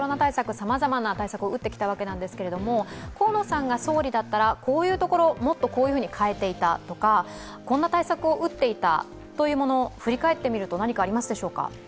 さまざまな対策を打ってきたわけなんですけれども河野さんが総理だったら、こういうところをもっとこういうふうに変えていたとかこんな対策を打っていたというもの、振り返ってみると何かありますでしょうか？